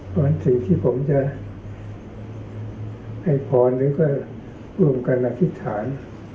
เพราะฉะนั้นสิ่งที่ผมจะให้พรหรือก็ร่วมกันอธิษฐาน